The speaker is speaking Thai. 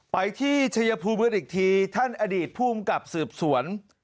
ไปที่เฉยภูมิอีกทีท่านอดีตผู้อังกฤษสืบสวน